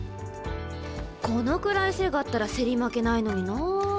このくらい背があったら競り負けないのになあ。